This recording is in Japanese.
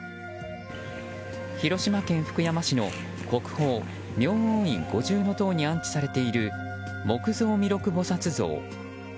広島県福山市の国宝明王院五重塔に安置されている木造弥勒菩薩像。